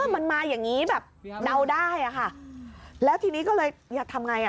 มันมาอย่างงี้แบบเดาได้อ่ะค่ะแล้วทีนี้ก็เลยอยากทำไงอ่ะ